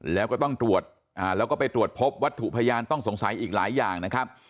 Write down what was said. แล้วก็ต้องตรวจแล้วก็ไปตรวจพบวัตถุพยานต้องสงสัยอีกหลายอย่างนะครับ